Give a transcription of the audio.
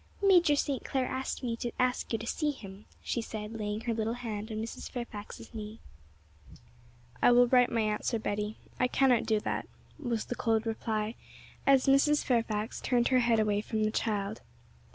'Major St. Clair asked me to ask you to see him,' she said, laying her little hand on Mrs. Fairfax's knee. 'I will write my answer, Betty; I cannot do that,' was the cold reply, as Mrs. Fairfax turned her head away from the child.